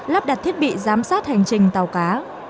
lắp đặt thiết bị giám sát hành trình tàu cá